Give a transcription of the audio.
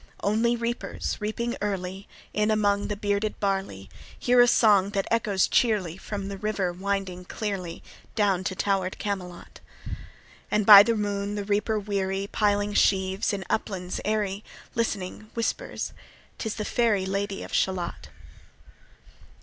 Only reapers, reaping early In among the bearded barley, Hear a song that echoes cheerly From the river winding clearly, Down to tower'd Camelot. And by the moon the reaper weary, Piling sheaves in uplands airy, Listening, whispers "'Tis the fairy Lady of Shalott."